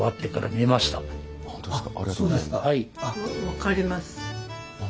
分かります。